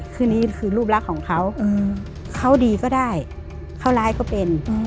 คือนี้คือรูปลักษณ์ของเขาเขาดีก็ได้เขาร้ายก็เป็น